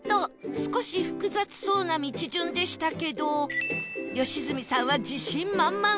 少し複雑そうな道順でしたけど良純さんは自信満々！